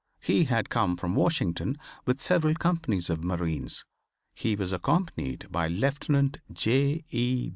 He had come from Washington with several companies of marines. He was accompanied by Lieutenant J. E.